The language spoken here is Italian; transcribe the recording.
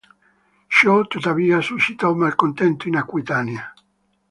Ciò, tuttavia, suscitò malcontento in Aquitania.